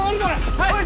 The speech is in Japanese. はい！